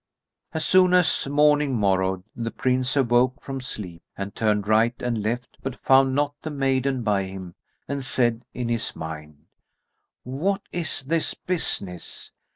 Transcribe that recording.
As soon as morning morrowed, the Prince awoke from sleep and turned right and left, but found not the maiden by him and said in his mind, "What is this business?